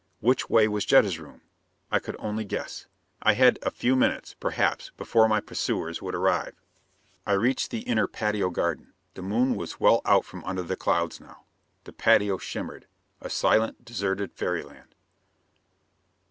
Which way was Jetta's room? I could only guess. I had a few minutes, perhaps, before my pursuers would arrive. I reached the inner, patio garden. The moon was well out from under the clouds now. The patio shimmered, a silent, deserted fairyland.